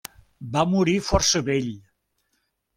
Va morir força vell.